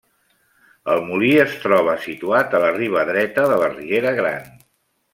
El molí s troba situat a la riba dreta de la Riera Gran.